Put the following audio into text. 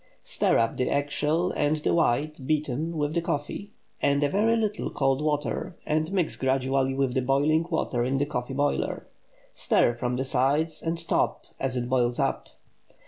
Stir up the eggshell and the white (beaten) with the coffee, and a very little cold water, and mix gradually with the boiling water in the coffee boiler. Stir from the sides and top as it boils up.